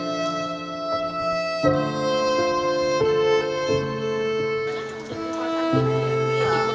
jangan lupa like share dan subscribe ya